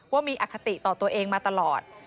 ว่ามีอคติต่อตัวเองมาตลอด